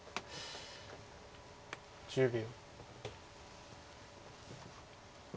１０秒。